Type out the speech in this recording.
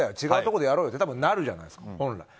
違うところでやろうってなるじゃないですか、本来。